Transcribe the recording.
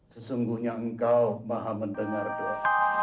sesungguhnya engkau maha mendengar doa